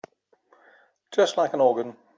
Just like an organ.